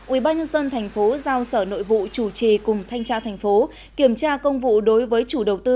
ủy ban nhân dân tp giao sở nội vụ chủ trì cùng thanh tra tp kiểm tra công vụ đối với chủ đầu tư